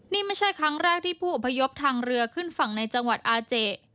นี่ไม่ใช่ครั้งแรกที่ผู้อพยพทางเรือขึ้นฝั่งในจังหวัดอาเจ